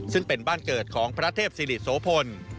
ซึ่งเป็นบ้านเกิดของพระเทพศิริโสพล